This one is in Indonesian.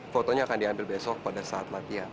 fotonya akan diambil besok pada saat latihan